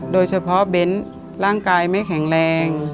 โดยเฉพาะเบ้นร่างกายไม่แข็งแรง